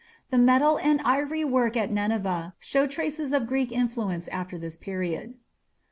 The metal and ivory work at Nineveh show traces of Greek influence after this period.